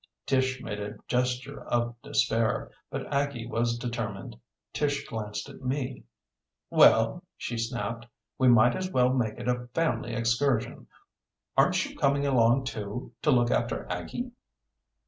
Tish made a gesture of despair, but Aggie was determined. Tish glanced at me. "Well?" she snapped. "We might as well make it a family excursion. Aren't you coming along, too, to look after Aggie?"